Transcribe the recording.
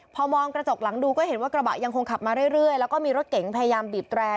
พอมองกระจกหลังดูก็เห็นว่ากระบะยังคงขับมาเรื่อยแล้วก็มีรถเก๋งพยายามบีบแตร่